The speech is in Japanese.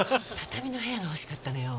畳の部屋が欲しかったのよ。